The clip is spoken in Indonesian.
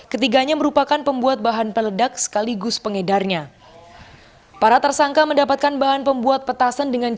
ketiganya merupakan pembuat bahan peledakan yang dikumpulkan oleh petasan